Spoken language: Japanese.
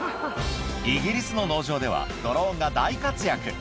イギリスの農場ではドローンが大活躍